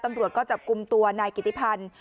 ตำรวจก็จับกลุ่มตัวนายกิติพันธ์